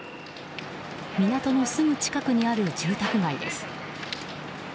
港のすぐ近くにある住宅街です。